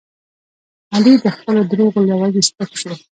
علي د خپلو دروغو له وجې سپک شو.